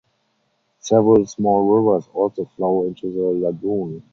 Several small rivers also flow into the lagoon.